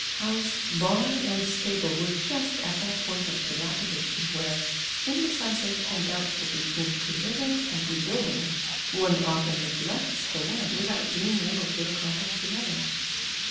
House, barn, and stable were just at that point of dila])idation where, indecisive and doubt lid between preserving and rebuilding, one often neglects the one without being able to accomplish the other.